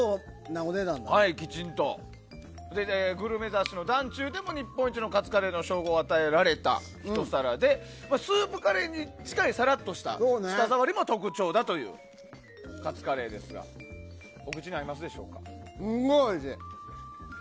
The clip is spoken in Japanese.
グルメ雑誌の「ｄａｎｃｙｕ」でも日本一のカツカレーの称号を与えられた、ひと品でスープカレーに近いサラッとした舌触りも特徴だというカツカレーですがすごいおいしい。